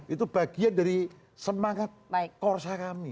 itu bagian dari semangat korsa kami